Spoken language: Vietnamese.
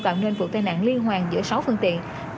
tạo nên vụ tai nạn liên hoàn giữa sáu phương tiện